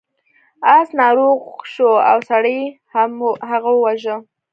اس ناروغ شو او سړي هغه وواژه.